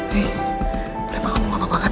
hey refah kamu gak apa apa kan